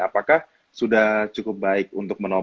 apakah sudah cukup baik untuk menolak